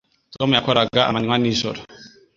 Tom yakoraga amanywa n'ijoro